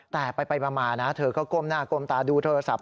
แต่ไปมานะเธอก็ก้มหน้าก้มตาดูโทรศัพท์